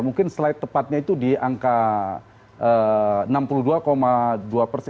mungkin slide tepatnya itu di angka enam puluh dua dua persen